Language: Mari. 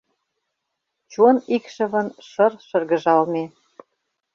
Чон икшывын шыр шыргыжалме